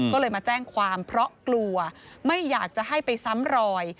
ก็เลยมาแจ้งความเพราะกลัวไม่อยากจะให้ไปซ้ำรอย